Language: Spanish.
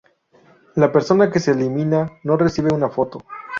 La persona que se elimina no recibe una foto.